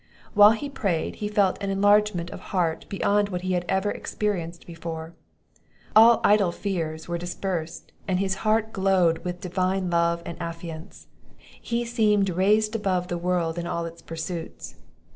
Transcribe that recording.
While he prayed, he felt an enlargement of heart beyond what he had ever experienced before; all idle fears were dispersed, and his heart glowed with divine love and affiance; he seemed raised above the world and all its pursuits.